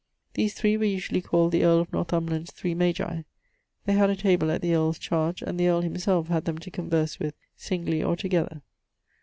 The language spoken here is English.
These 3 were usually called the earle of Northumberland's three Magi. They had a table at the earle's chardge, and the earle himselfe had them to converse with, singly or together.